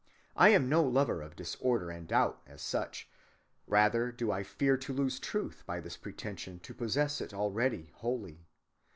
I am no lover of disorder and doubt as such. Rather do I fear to lose truth by this pretension to possess it already wholly.